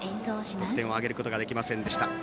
得点を挙げることができませんでした。